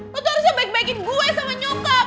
lo tuh harusnya baik baikin gue sama nyokap